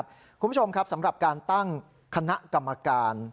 คุณผู้ชมครับสำหรับการตั้งคณะกรรมการ